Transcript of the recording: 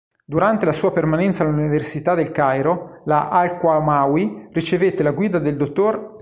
Durante la sua permanenza all'Università del Cairo, la al-Qalamawi ricevette la guida del dott.